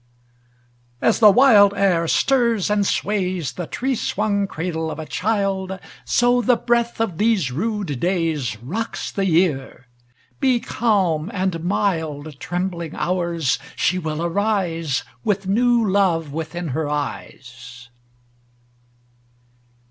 Ill As the wild air stirs and sways The tree swung cradle of a child, So the breath of these rude days Rocks the year: ŌĆö be calm and mild, Trembling hours; she will arise With new love within her eyes.